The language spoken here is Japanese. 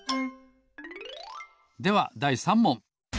ではだい３もん。